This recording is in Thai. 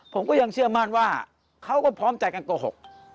ผมก็ยังเชื่อมั่นว่าเขาก็พร้อมใจกันโกหก